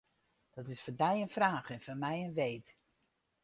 Dat is foar dy in fraach en foar my in weet.